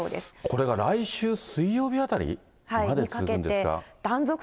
これが来週水曜日あたりまで続くんですか。